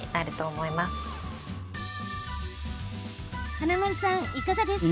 華丸さん、いかがですか？